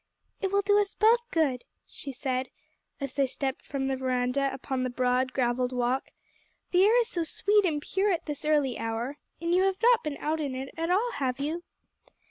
"It will do us both good," she said as they stepped from the veranda upon the broad, gravelled walk, "the air is so sweet and pure at this early hour; and you have not been out in it at all, have you?"